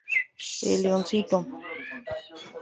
El Leoncito